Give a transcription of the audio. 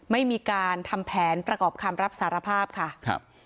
ไม่มีการทำแผนประกอบคำรับสารภาพค่ะครับ